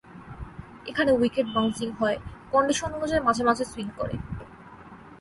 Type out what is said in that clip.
এখানে wicket bouncy হয়, condition অনুযায়ী মাঝেমধ্যে সুইং করে।